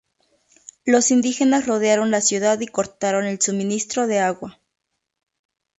Los indígenas rodearon la ciudad y cortaron el suministro de agua.